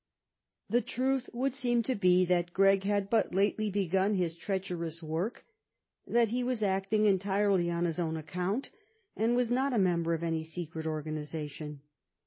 The truth would seem to be that Gregg had but lately begun his treacherous work, that he was acting entirely on his own account, and was not a member of any secret organization.